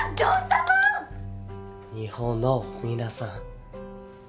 日本の皆さん。